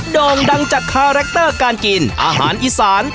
โด่งดังจากคาแรคเตอร์การกินอาหารอีสาน